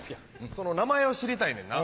その名前を知りたいねんな。